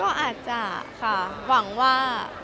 ก็อาจจะค่ะหวังว่า